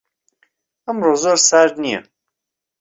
ئەمڕۆ زۆر سارد نییە.